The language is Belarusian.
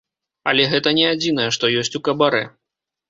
Але гэта не адзінае, што ёсць у кабарэ.